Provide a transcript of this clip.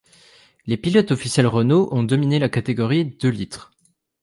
Les pilotes officiels Renault ont dominé la catégorie deux litres.